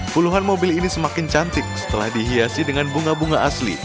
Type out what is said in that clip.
puluhan mobil ini semakin cantik setelah dihiasi dengan bunga bunga asli